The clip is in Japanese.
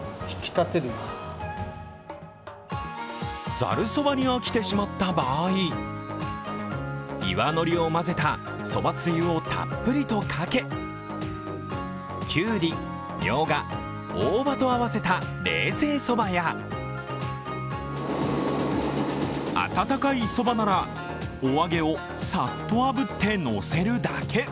ざるそばに飽きてしまった場合、岩のりを混ぜたそばつゆをたっぷりとかけ、キュウリ、みょうが、大葉と合わせた冷製そばや温かいそばなら、お揚げをサッとあぶってのせるだけ。